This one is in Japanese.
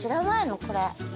これ。